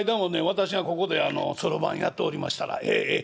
私がここでそろばんやっておりましたらええええ。